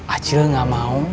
acil gak mau